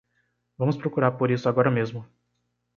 Vamos procurar por isso agora mesmo.